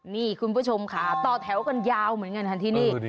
นี่คุณผู้ชมค่ะต่อแถวกันยาวเหมือนกันค่ะที่นี่